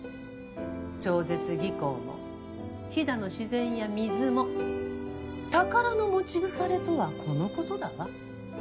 超絶技巧も飛騨の自然や水も宝の持ち腐れとはこのことだわ。